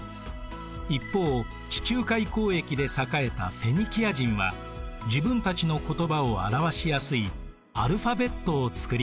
一方地中海交易で栄えたフェニキア人は自分たちの言葉を表しやすいアルファベットを作りました。